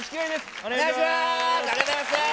お願いします。